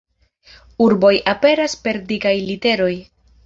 Urboj aperas per dikaj literoj.